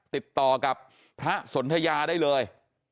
ติดต่อกับพระสนทยาได้เลย